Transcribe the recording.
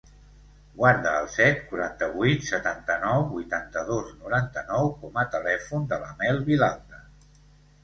Guarda el set, quaranta-vuit, setanta-nou, vuitanta-dos, noranta-nou com a telèfon de la Mel Vilalta.